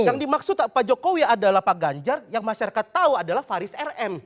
yang dimaksud pak jokowi adalah pak ganjar yang masyarakat tahu adalah faris rm